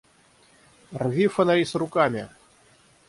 – Рви фонари с руками!